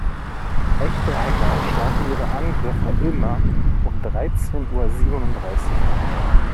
Echte Hacker starten ihre Angriffe immer um dreizehn Uhr siebenunddreißig.